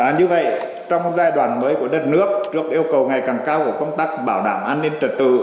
như vậy trong giai đoạn mới của đất nước trước yêu cầu ngày càng cao của công tác bảo đảm an ninh trật tự